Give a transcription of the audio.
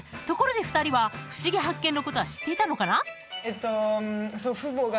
ところで２人は「ふしぎ発見！」のことは知っていたのかな？